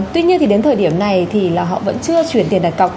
tuy nhiên thì đến thời điểm này thì là họ vẫn chưa chuyển tiền đặt cọc